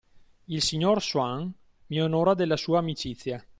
Il signor Swan mi onora della sua amicizia